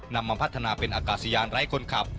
นำมาพัฒนาเป็นอากาศยานไร้คนขับ